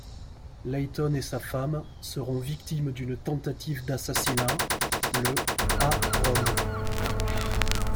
Leighton et sa femme seront victimes d'une tentative d'assassinat le à Rome.